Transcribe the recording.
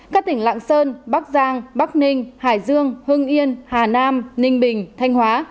các tỉnh lạng sơn bắc giang bắc ninh hải dương hưng yên hà nam ninh bình thanh hóa